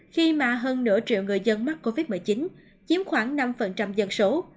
khi mà hơn nửa triệu người dân mắc covid một mươi chín chiếm khoảng năm dân số